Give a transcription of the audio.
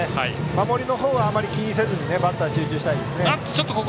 守りのほうはあまり気にせずバッターに集中したいですね。